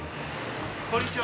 こんにちは。